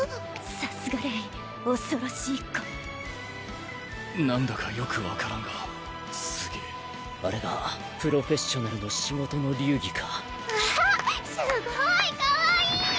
さすがレイ恐ろしい子何だかよく分からんがすげえあれがプロフェッショナルの仕事の流儀かわあっすごいかわいい！